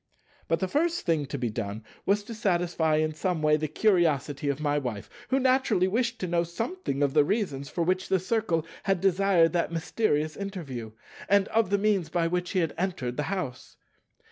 But the first thing to be done was to satisfy in some way the curiosity of my Wife, who naturally wished to know something of the reasons for which the Circle had desired that mysterious interview, and of the means by which he had entered the house.